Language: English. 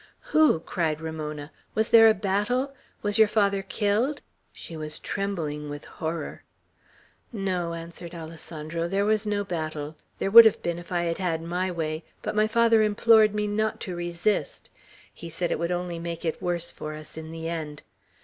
"Who?" cried Ramona. "Was there a battle? Was your father killed?" She was trembling with horror. "No," answered Alessandro. "There was no battle. There would have been, if I had had my way; but my father implored me not to resist. He said it would only make it worse for us in the end.